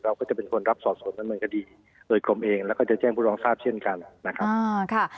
เราก็จะเป็นคนรับสอบส่วนดำเนินคดีโดยกรมเองแล้วก็จะแจ้งผู้ร้องทราบเช่นกันนะครับ